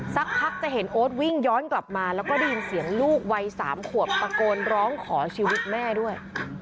สักพักจะเห็นโอ๊ตวิ่งย้อนกลับมาแล้วก็ได้ยินเสียงลูกวัย๓ขวบตะโกนร้องขอชีวิตแม่ด้วย